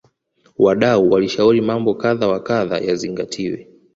wadau walishauri mambo kadha wa kadha yazingatiwe